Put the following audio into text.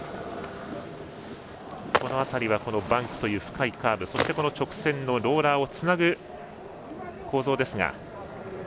この辺りはバンクという深いカーブそして直線のローラーをつなぐ構造ですが。